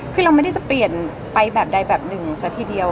คือเราไม่ได้จะเปลี่ยนไปแบบใดแบบหนึ่งซะทีเดียว